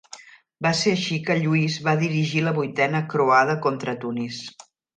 Va ser així que Lluís va dirigir la Vuitena Croada contra Tunis.